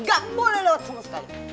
gak boleh lewat sama sekali